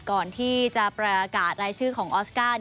ก่อนที่จะประกาศรายชื่อของออสการ์